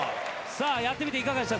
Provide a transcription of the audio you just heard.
やってみていかがでした？